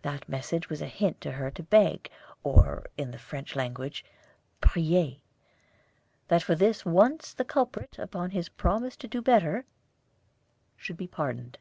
That message was a hint to her to beg or, in the French language, prier that for this once the culprit, upon his promise to do better, should be pardoned.